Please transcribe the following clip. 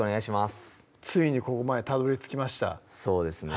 ついにここまでたどり着きましたそうですね